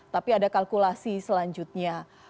tapi ada kalkulasi selanjutnya